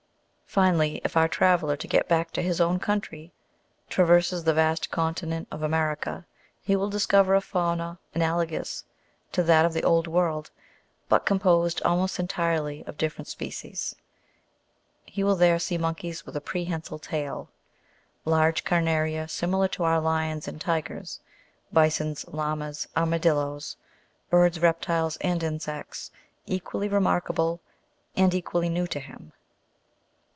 Finally, if our traveller, to get back to his own country, tra verses the vast continent of America, he will discover a fauna analogous to that of the old world, but composed almost entirely of different species ; he will there see monkeys with a prehensile tail, large carna'ria. similar to our lions and tigers, bisons, lamas, armadillos ; birds, reptiles, and insects, equally remarkable, and equally new to him.